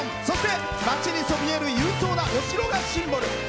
そして町にそびえる勇壮なお城がシンボル。